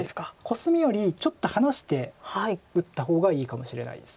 コスミよりちょっと離して打った方がいいかもしれないです